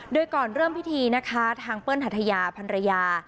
โดยก่อนเริ่มพิธีนะคะทางเปิ้ลหัทยาพันรยา